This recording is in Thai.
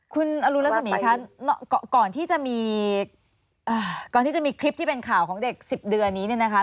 คุณอรุณลักษณีย์คะก่อนที่จะมีคลิปที่เป็นข่าวของเด็ก๑๐เดือนนี้นะคะ